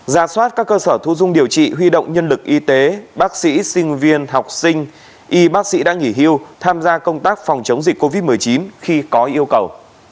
ra soát các cơ sở thu dung điều trị huy động nhân lực y tế bác sĩ sinh viên học sinh y bác sĩ đã nghỉ hưu tham gia công tác phòng chống dịch covid một mươi chín khi có yêu cầu